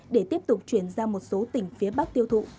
để tiếp tục chuyển ra một số tỉnh phía bắc tiêu thụ